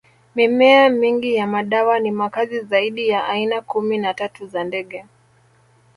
Mimea mingi ya madawa ni makazi zaidi ya aina kumi na tatu za ndege